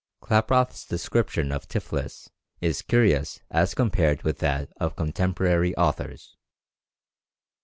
Klaproth's description of Tiflis is curious as compared with that of contemporary authors.